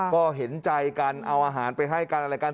ก็เห็นใจกันเอาอาหารไปให้กันอะไรกัน